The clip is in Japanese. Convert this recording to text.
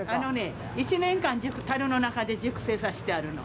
１年、樽の中で熟成させてあるの。